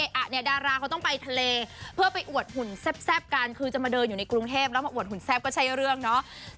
อ่ะเนี่ยดาราเขาต้องไปทะเลเพื่อไปอวดหุ่นแซ่บกันคือจะมาเดินอยู่ในกรุงเทพแล้วมาอวดหุ่นแซ่บก็ใช่เรื่องเนาะ